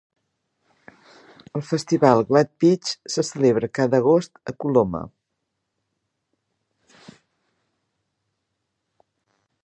El Festival Glad-Peach se celebra cada agost a Coloma.